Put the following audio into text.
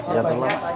jangan terlalu lama